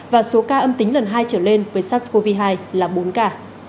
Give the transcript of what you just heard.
và số ca âm tính lần hai trở lên với sars cov hai là bốn ca